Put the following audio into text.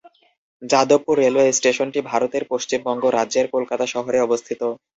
Jadavpur railway স্টেশনটি ভারতের পশ্চিমবঙ্গ রাজ্যের কলকাতা শহরে অবস্থিত।